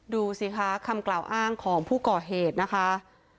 ดูสิคะคำกล่าวอ้างของผู้ก่อเหตุนะคะ